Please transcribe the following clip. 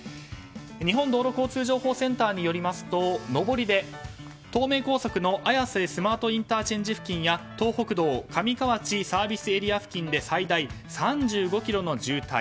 日本道路交通情報センターによりますと上りで東名高速の綾瀬スマートＩＣ付近や東北道上河内ＳＡ付近で最大３５ｋｍの渋滞。